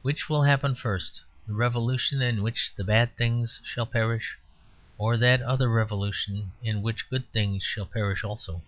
Which will happen first the revolution in which bad things shall perish, or that other revolution, in which good things shall perish also?